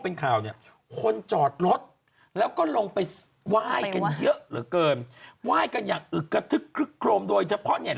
น้ำแดงยังเต็มอยู่กล้วยยังเต็มอยู่